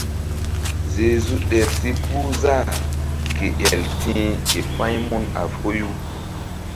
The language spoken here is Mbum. Zezu ɗer si puh zah ke el ti̧h k pa̧ymun a foyu.